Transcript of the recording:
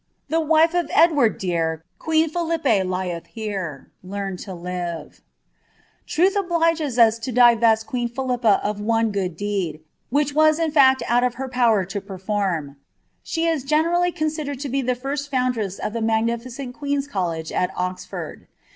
The wife of Edward dear, Queen Philippe lieth here. Learn lo lire." Tnilh obliges ii8 to divest queen Philippa of one good deed, which in &ct out of her power to perform ; she is generally considered to be the first foundress of the msgnificent Queen's College, at Oxford.